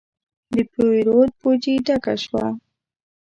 د پیرود بوجي ډکه شوه.